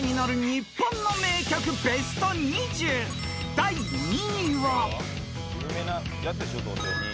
［第２位は］